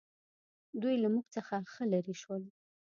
دوی له موږ څخه ښه لرې شول.